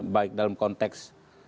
baik dalam konteks